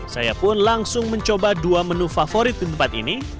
saya pun langsung mencoba dua menu favorit di tempat ini